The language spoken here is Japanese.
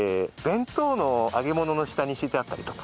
弁当の揚げ物の下に敷いてあったりとか。